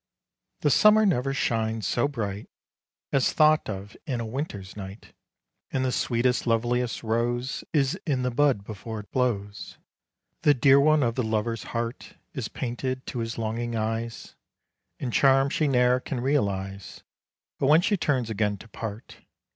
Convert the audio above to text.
The summer never shines so bright As thought of in a winter's night; And the sweetest loveliest rose Is in the bud before it blows; The dear one of the lover's heart Is painted to his longing eyes, In charms she ne'er can realize But when she turns again to part.